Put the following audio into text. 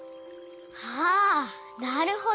ああなるほど！